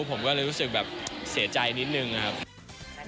ผมก็เลยรู้สึกแบบเสียใจนิดนึงนะครับ